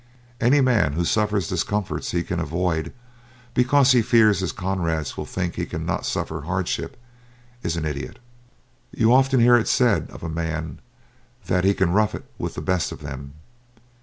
Any man who suffers discomforts he can avoid because he fears his comrades will think he cannot suffer hardships is an idiot. You often hear it said of a man that "he can rough it with the best of them."